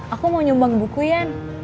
aku mau nyumbang buku yan